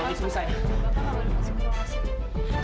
bapak mau masuk ke luar sini